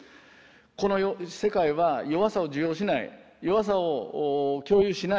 この世界は弱さを受容しない弱さを共有しない弱さを否定する。